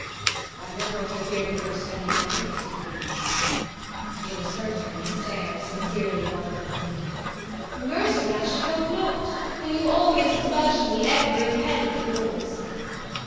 "I've never interfered with your spending your money as you please." It was her turn to stare, sincerely wondering. "Mercy, I should hope not, when you've always grudged me every penny of yours!"